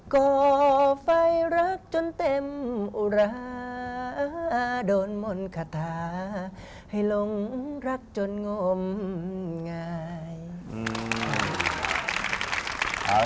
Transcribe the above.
ก่อไฟรักจนเต็มอุราโดนมนต์คาถาให้หลงรักจนงมงาย